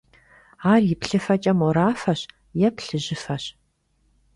Ar yi plhıfeç'e morafeş yê plhıjıfeş.